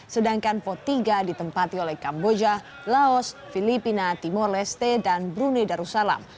sedangkan pot tiga ditempati oleh kamboja laos filipina timur leste dan brunei darussalam